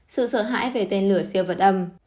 sự sợ hãi về tên lửa siêu vật âm